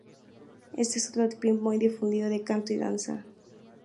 Este es otro tipo muy difundido de canto y danza.